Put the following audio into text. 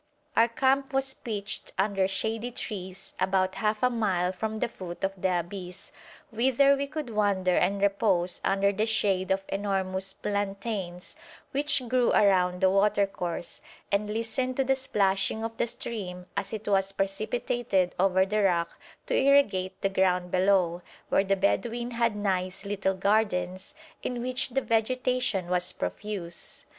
Our camp was pitched under shady trees about half a mile from the foot of the abyss, whither we could wander and repose under the shade of enormous plantains which grew around the watercourse, and listen to the splashing of the stream as it was precipitated over the rock to irrigate the ground below, where the Bedouin had nice little gardens in which the vegetation was profuse.